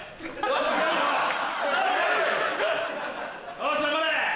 よし頑張れ！